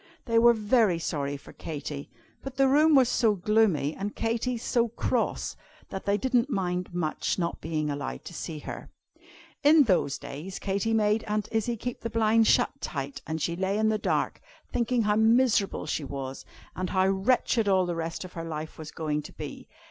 They were very sorry for Katy, but the room was so gloomy, and Katy so cross, that they didn't mind much not being allowed to see her. In those days Katy made Aunt Izzie keep the blinds shut tight, and she lay in the dark, thinking how miserable she was, and how wretched all the rest of her life was going to be.